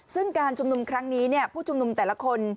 ซึ่งการชุมนุมครั้งนี้ผู้ชุมนุมแต่ละคน